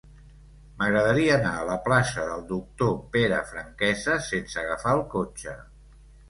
M'agradaria anar a la plaça del Doctor Pere Franquesa sense agafar el cotxe.